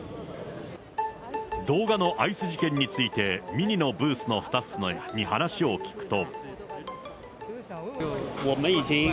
動画のアイス事件について、ＭＩＮＩのブースのスタッフに話を聞くと。